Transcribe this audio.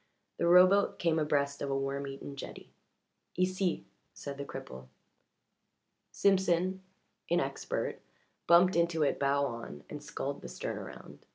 The rowboat came abreast of a worm eaten jetty. "Ici," said the cripple. Simpson, inexpert, bumped into it bow on, and sculled the stern around.